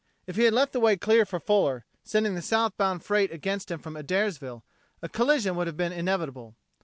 If he had left the way clear for Fuller, sending the southbound freight against him from Adairsville, a collision would have been inevitable.